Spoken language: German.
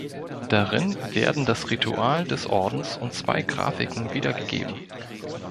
Darin werden das Ritual des Ordens und zwei Grafiken wiedergegeben.